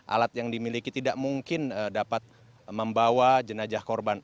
alat yang dimiliki tidak mungkin dapat membawa jenajah korban